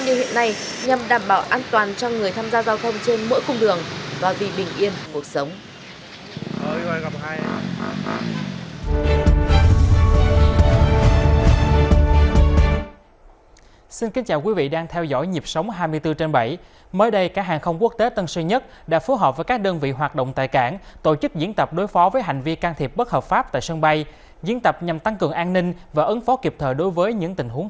nhất là vào thời điểm cuối năm như hiện nay nhằm đảm bảo an toàn cho người tham gia giao thông trên mỗi cung đường